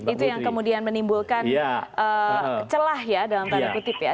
itu yang kemudian menimbulkan celah ya dalam tanda kutip ya